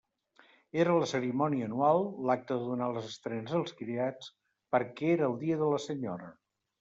Era la cerimònia anual, l'acte de donar les estrenes als criats, perquè era el dia de la senyora.